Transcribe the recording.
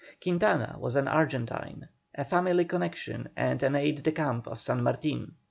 Quintana was an Argentine, a family connection and an aide de camp of San Martin.